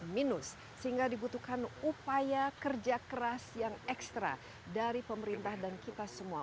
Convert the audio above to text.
minus sehingga dibutuhkan upaya kerja keras yang ekstra dari pemerintah dan kita semua